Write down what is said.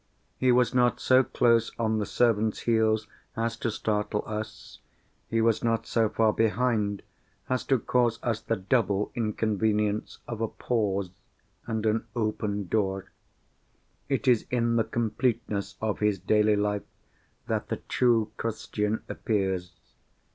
He was not so close on the servant's heels as to startle us. He was not so far behind as to cause us the double inconvenience of a pause and an open door. It is in the completeness of his daily life that the true Christian appears.